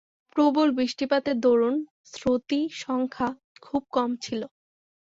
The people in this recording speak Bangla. প্রবল বৃষ্টিপাতের দরুন শ্রোতৃসংখ্যা খুব কম ছিল।